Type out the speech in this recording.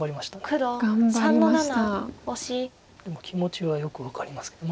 でも気持ちはよく分かりますけど。